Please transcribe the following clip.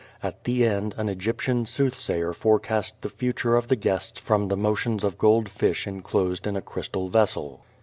At the end an Egyptian soothsayer forecast the future of the guests from the motions of gold fish inclosed in a crystal vessel.